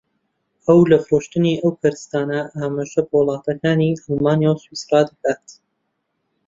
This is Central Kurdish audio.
ئەو لە فرۆشتنی ئەو کەرستانە ئاماژە بە وڵاتەکانی ئەڵمانیا و سویسڕا دەکات